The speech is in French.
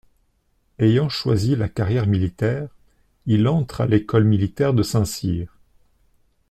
Ayant choisi la carrière militaire, il entre à l'École militaire de Saint-Cyr.